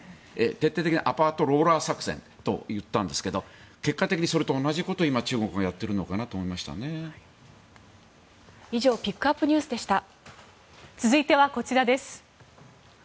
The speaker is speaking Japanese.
徹底的にアパートローラー作戦といったんですが結果的にそれと同じことを中国がやっているのかなと思いましたね。